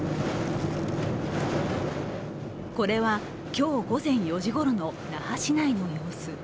これは今日午前４時ごろの那覇市内の様子。